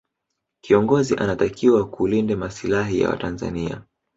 kiongozi anatakiwa kulinde masilahi ya watanzania